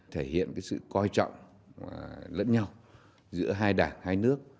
thể hiện sự coi trọng lẫn nhau giữa hai đảng hai nước